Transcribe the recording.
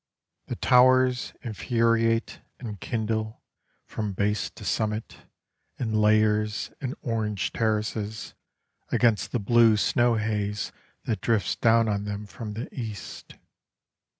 The towers Infuriate, enkindle From base to summit, In layers, and orange terraces, Against the blue snow haze that drifts down on them from the east.